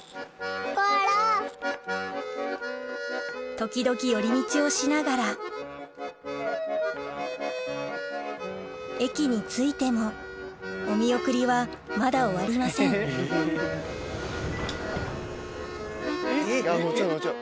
時々寄り道をしながら駅に着いてもお見送りはまだ終わりませんあっ